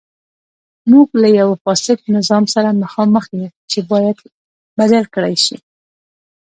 موږ له یوه فاسد نظام سره مخامخ یو چې باید بدل کړای شي.